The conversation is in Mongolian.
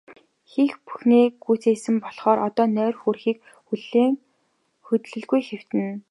Хийх бүхнээ гүйцээсэн болохоор одоо нойр хүрэхийг хүлээн хөдлөлгүй хэвтэнэ.